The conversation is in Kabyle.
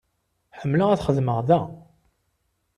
Ḥemmleɣ ad xedmeɣ da.